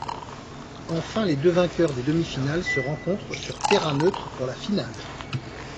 Enfin, les deux vainqueurs des demi-finales se rencontrent sur terrain neutre pour la finale.